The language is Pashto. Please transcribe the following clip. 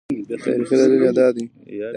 تاریخي دلیل یې دا دی.